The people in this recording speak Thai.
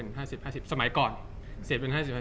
จากความไม่เข้าจันทร์ของผู้ใหญ่ของพ่อกับแม่